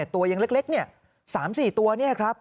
ตัวยังเล็ก๓๔ตัวเนี่ยครับ